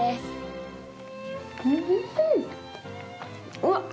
うわっ！